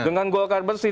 dengan golkar bersih